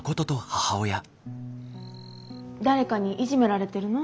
誰かにいじめられてるの？